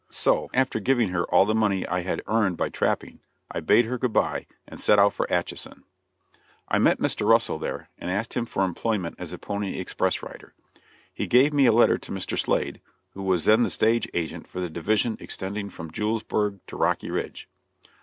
So after giving her all the money I had earned by trapping, I bade her good bye and set out for Atchison. I met Mr. Russell there and asked him for employment as a pony express rider; he gave me a letter to Mr. Slade, who was then the stage agent for the division extending from Julesburg to Rocky Ridge.